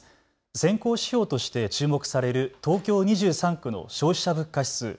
先行指標として注目される東京２３区の消費者物価指数。